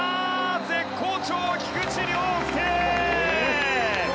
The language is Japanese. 絶好調、菊池涼介！